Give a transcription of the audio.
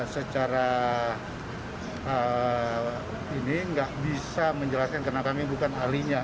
secara ini nggak bisa menjelaskan karena kami bukan ahlinya